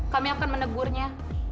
kami akan menegurnya